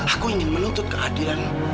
aku ingin menuntut keadilan